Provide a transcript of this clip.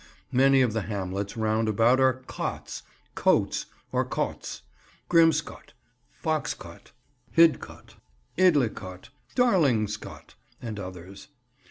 Many of the hamlets round about are "cotts," "cotes," or "cots"; Grimscote, Foxcote, Hidcote, Idlicote, Darlingscott, and others.